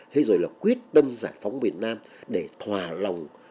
thế rồi là quyết tâm giải phóng miền nam để thỏa lòng